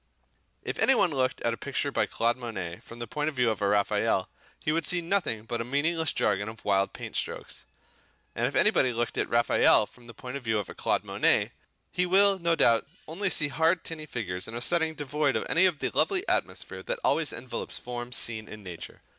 If anybody looks at a picture by Claude Monet from the point of view of a Raphael, he will see nothing but a meaningless jargon of wild paint strokes. And if anybody looks at a Raphael from the point of view of a Claude Monet, he will, no doubt, only see hard, tinny figures in a setting devoid of any of the lovely atmosphere that always envelops form seen in nature.